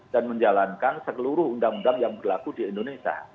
dan menjalankan sekeluruh undang undang yang berlaku di indonesia